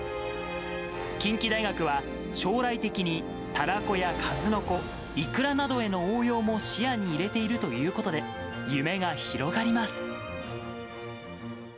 近畿大学は、将来的にタラコやカズノコ、イクラなどへの応用も視野に入れているということで、夢が広がります。